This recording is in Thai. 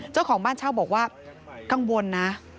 เจ้าของบ้านเช่าบอกว่ากังวลนะ